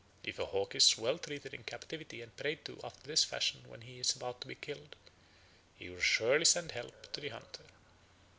If a hawk is well treated in captivity and prayed to after this fashion when he is about to be killed, he will surely send help to the hunter.